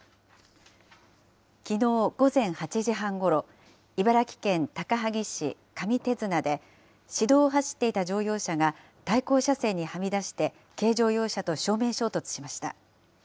きのう午前８時半ごろ、茨城県高萩市上手綱で、市道を走っていた乗用車が対向車線にはみ出して軽乗用車と正面衝突しました。